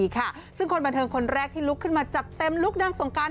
แต่นางสงการนี้มาแล้วมาก่อนใครเลย